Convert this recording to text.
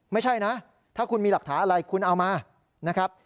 ไม่ใช่นะถ้าคุณมีหลักฐานอะไรคุณเอามานะครับ